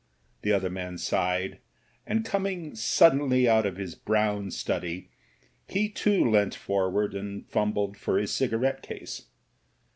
The other man sighed and, coming suddenly out of his brown study, he too leant forward and fumbled for his cigarette case.